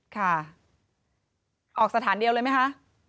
ค่ะออกสถานเดียวเลยไหมคะ